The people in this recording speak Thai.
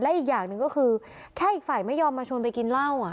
อีกอย่างหนึ่งก็คือแค่อีกฝ่ายไม่ยอมมาชวนไปกินเหล้า